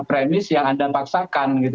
premis yang anda paksakan gitu